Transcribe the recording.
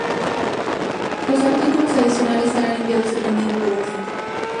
Los artículos adicionales serán enviados dependiendo de la tienda.